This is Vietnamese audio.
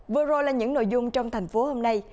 vừa rồi là những nội dung trong thành phố hôm nay